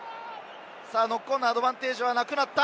ノックオンのアドバンテージがなくなった。